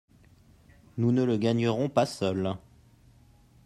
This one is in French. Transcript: Nous ne le gagnerons pas seuls.